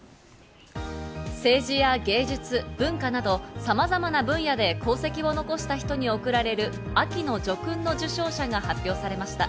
政治や芸術、文化など様々な分野で功績を残した人に送られる秋の叙勲の受章者が発表されました。